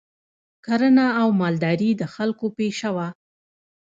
کرنه او مالداري د خلکو پیشه وه